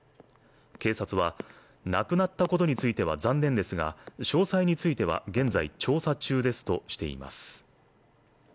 警察は亡くなったことについては残念ですが、詳細については現在、調査中ですとしています。